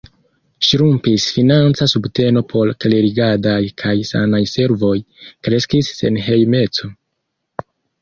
Ŝrumpis financa subteno por klerigadaj kaj sanaj servoj; kreskis senhejmeco.